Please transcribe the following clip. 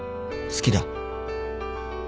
好きだ。